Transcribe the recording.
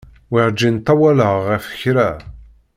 Werǧin ṭṭawaleɣ ɣef kra.